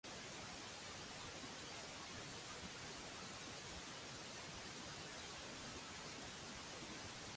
They lost in the first round of the Patriot League Tournament to Bucknell.